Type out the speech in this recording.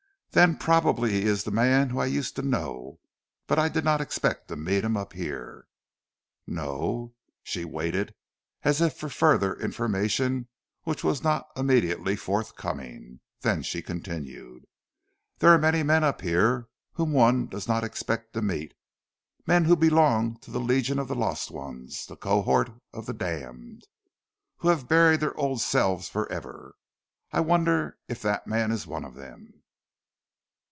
"Then probably he is the man whom I used to know, but I did not expect to meet him up here." "No?" She waited as if for further information which was not immediately forthcoming, then she continued: "There are many men up here whom one does not expect to meet, men who belong 'to the legion of the lost ones, the cohort of the damned,' who have buried their old selves for ever. I wonder if that man is one of them?"